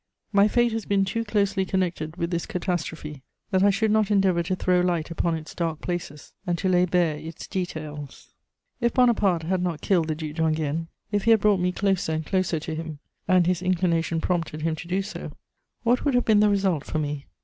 My fate has been too closely connected with this catastrophe that I should not endeavour to throw light upon its dark places and to lay bare its details. If Bonaparte had not killed the Duc d'Enghien, if he had brought me closer and closer to him (and his inclination prompted him to do so), what would have been the result for me?